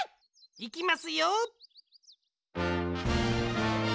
いきますよ！